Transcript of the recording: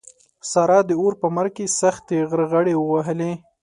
سارا د اور په مرګ کې سختې غرغړې ووهلې.